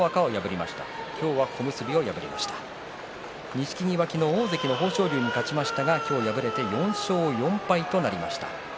錦木は昨日、大関の豊昇龍に勝ちましたが今日、敗れて４勝４敗となりました。